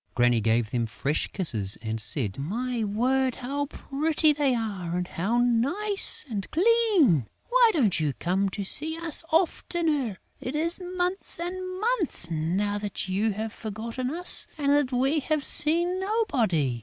Granny gave them fresh kisses and said: "My word, how pretty they are and how nice and clean!... Why don't you come to see us oftener? It is months and months now that you have forgotten us and that we have seen nobody...."